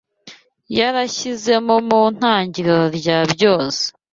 yarashyizeho mu itangiriro rya byose